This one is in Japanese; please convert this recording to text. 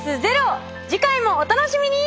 次回もお楽しみに！